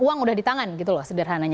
uang udah di tangan gitu loh sederhananya